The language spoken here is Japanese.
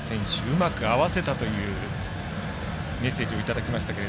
うまく合わせた！というメッセージをいただきましたが。